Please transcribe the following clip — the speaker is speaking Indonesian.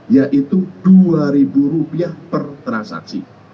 yaitu rp dua per transaksi